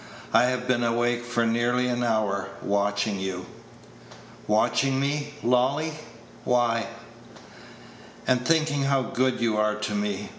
I have been awake for nearly an hour, watching you." "Watching me, Lolly why?" Page 116 "And thinking how good you are to me.